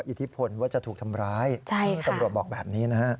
อิทธิพลว่าจะถูกทำร้ายตำรวจบอกแบบนี้นะฮะ